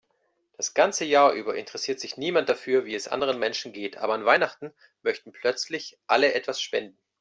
Das ganze Jahr über interessiert sich niemand dafür, wie es anderen Menschen geht, aber an Weihnachten möchten plötzlich alle etwas spenden.